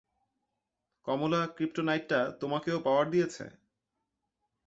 কমলা ক্রিপ্টোনাইটটা তোমাকেও পাওয়ার দিয়েছে!